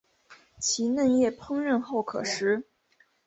其嫩叶烹饪后可食。